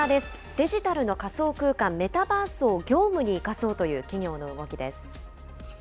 デジタルの仮想空間、メタバースを業務に生かそうという企業の動きです。